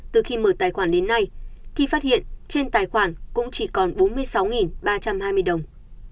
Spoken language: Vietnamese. từ khi mở tài khoản đến nay khi phát hiện trên tài khoản cũng chỉ còn bốn mươi sáu ba trăm hai mươi đồng